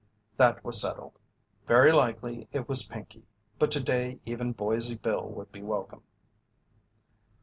That was settled. Very likely it was Pinkey, but to day even Boise Bill would be welcome.